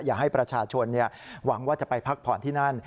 อย่าให้ประชาชนหวังว่าจะไปพักผ่อนที่นั่น